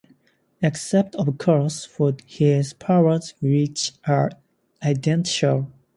Except, of course, for his powers which are identical.